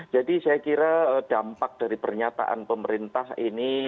jadi saya kira dampak dari pernyataan pemerintah ini